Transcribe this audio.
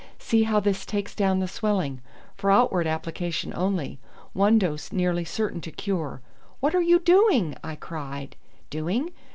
"See how this takes down the swelling. For outward application only. One dose nearly certain to cure." "What are you doing?" I cried. "Doing?